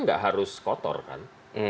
ini gak harus kotor kan